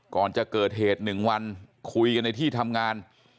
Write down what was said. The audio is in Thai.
ก่อนจะเกิดเหตุ๑วันคุยกันในที่ทำงาน